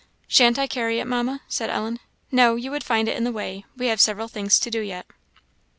"Shan't I carry it, Mamma?" said Ellen. "No, you would find it in the way; we have several things to do yet."